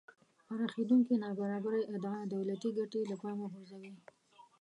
پراخېدونکې نابرابرۍ ادعا دولتی ګټې له پامه غورځوي